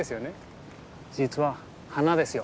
実は花ですよ。